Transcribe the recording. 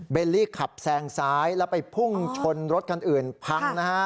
ลี่ขับแซงซ้ายแล้วไปพุ่งชนรถคันอื่นพังนะฮะ